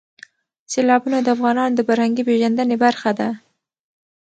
سیلابونه د افغانانو د فرهنګي پیژندنې برخه ده.